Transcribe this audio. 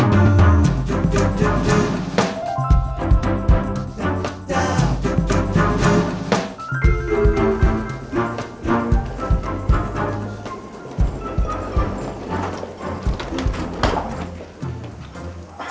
terima kasih pak